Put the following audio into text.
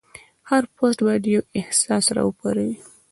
هر پوسټ باید یو احساس راوپاروي.